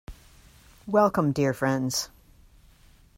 Welcome, dear friends.